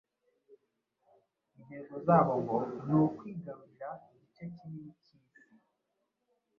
Intego zabo, ngo ni ukwigarurira igice kinini cy’isi